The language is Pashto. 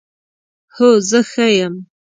هو، زه ښه یم